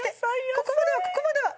ここまではここまでは！